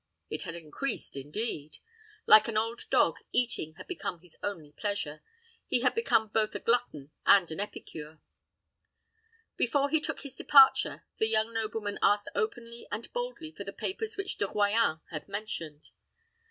It had increased, indeed. Like an old dog, eating had become his only pleasure. He had become both a glutton and an epicure. Before he took his departure, the young nobleman asked openly and boldly for the papers which De Royans had mentioned.